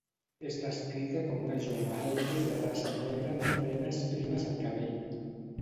És descrita com una jove alta i de raça negra amb trenes primes al cabell.